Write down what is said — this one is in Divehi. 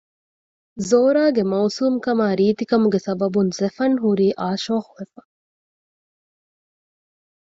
ޒޯރާގެ މައުސޫމު ކަމާ ރީތި ކަމުގެ ސަބަބުން ޒެފަން ހުރީ އާޝޯޙު ވެފަ